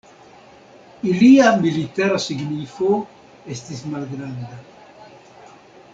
Ilia militara signifo estis malgranda.